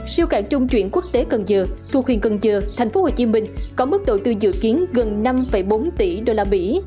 siêu cảng trung chuyển quốc tế cần giờ thuộc huyện cần giờ thành phố hồ chí minh có mức đội tư dự kiến gần năm bốn tỷ usd